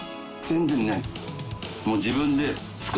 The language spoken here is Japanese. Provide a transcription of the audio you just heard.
全然ないです。